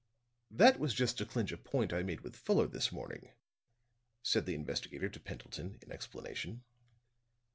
"That was just to clinch a point I made with Fuller this morning," said the investigator to Pendleton, in explanation.